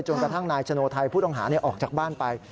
จนกระทั่งนายชโนไทพุทธองหาออกจากบ้านไป